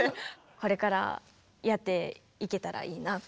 これからやっていけたらいいなと。